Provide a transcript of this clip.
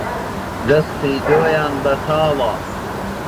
دەستی دۆیان بەتاڵە